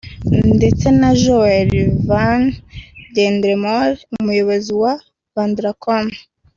ndetse na Joel Van DerMolen umuyobozi wa Vandercome